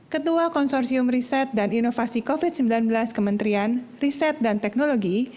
ketua konsorsium riset dan inovasi covid sembilan belas kementerian riset dan teknologi